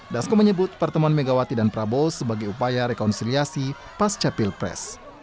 dasko menyebut pertemuan megawati dan prabowo sebagai upaya rekonsiliasi pasca pilpres